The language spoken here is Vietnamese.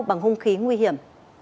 bằng hung khí nguy hiểm